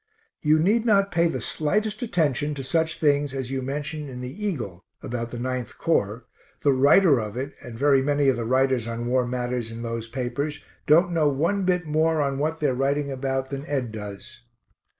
You need not pay the slightest attention to such things as you mention in the Eagle, about the 9th Corps the writer of it, and very many of the writers on war matters in those papers, don't know one bit more on what they are writing about than Ed does.